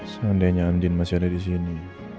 seandainya andin masih ada di sini